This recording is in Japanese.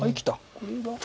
これは。